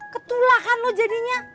ketulahkan lo jadinya